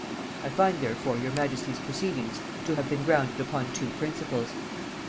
I find therefore her majesty's proceedings to have been grounded upon two principles. "1.